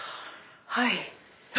はい。